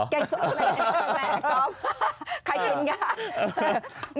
แก่งส้มอะไรแก่งส้มแม่กอฟใครเย็นกัน